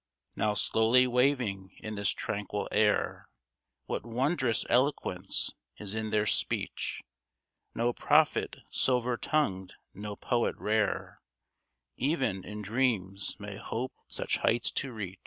Now slowly waving in this tranquil air, What wondrous eloquence is in their speech ! No prophet '' silver tongued," no poet rare, Even in dreams may hope such heights to reach.